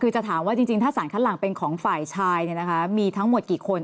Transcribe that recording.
คือจะถามว่าจริงถ้าสารคัดหลังเป็นของฝ่ายชายมีทั้งหมดกี่คน